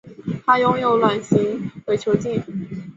它拥有卵形的伪球茎。